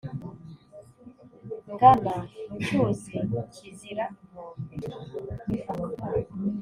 Ngana mu cyuzi kizira inkombe ?